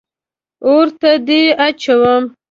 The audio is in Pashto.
اور ته دې اچوم.